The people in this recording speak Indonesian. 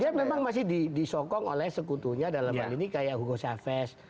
dan dia memang masih disokong oleh sekutunya dalam hal ini kayak hugo chavez